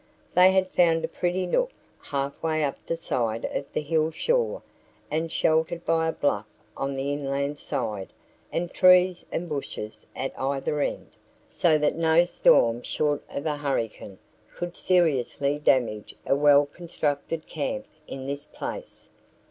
They had found a pretty nook half way up the side of the hill shore and sheltered by a bluff on the inland side and trees and bushes at either end, so that no storm short of a hurricane could seriously damage a well constructed camp in this place.